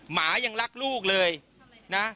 หมายังลักษ์ลูกเลยนา